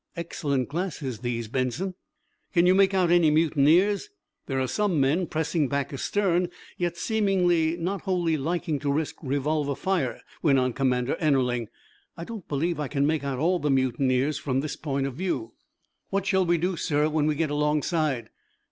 Excellent glasses, these, Benson." "Can you make out any mutineers?" "There are some men, pressing back astern, yet seemingly not wholly liking to risk revolver fire," went on Commander Ennerling. "I don't believe I can make out all the mutineers, from this point of view." "What shall we do, sir, when we get alongside?"